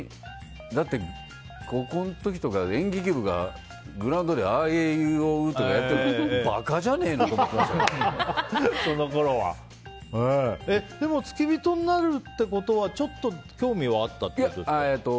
だって、高校の時とか演劇部がグラウンドであーえーいーうーおーとかやっている時にバカじゃねえのってでも、付き人になるってことはちょっと興味はあったってことですか？